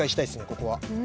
ここは。